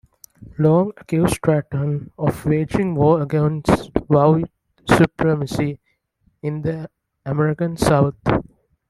Long accused Straton of waging war against white supremacy in the American South.